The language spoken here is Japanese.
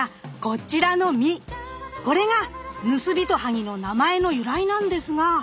これがヌスビトハギの名前の由来なんですが。